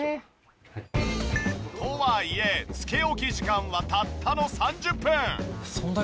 とはいえつけ置き時間はたったの３０分。